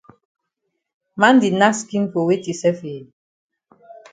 Man di nack skin for weti sef eh?